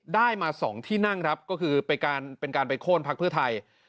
ได้มา๒ที่นั่งครับก็คือเป็นการไปโค้นพักเพื่อไทย